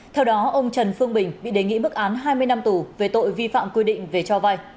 theo đó ông trần phương bình bị đề nghị bức án hai mươi năm tù về tội vi phạm quy định